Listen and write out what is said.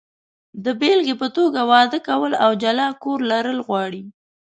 د بېلګې په توګه، واده کول او جلا کور لرل غواړي.